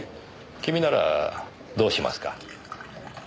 君ならどうしますか？